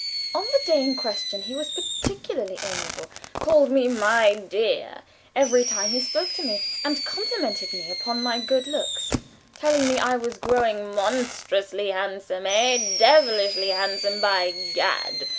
On the day in question he was particularly amiable, called me "my dear" every time he spoke to me, and complimented me upon my good looks, telling me I was growing monstrous handsome ay, devilish handsome, by Gad!